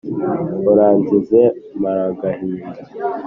uranzize maragahinda?